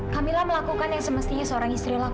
kamila melakukan yang semestinya seorang istri lakukan